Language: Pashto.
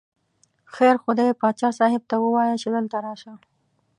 خیر خو دی، باچا صاحب ته ووایه چې دلته راشه.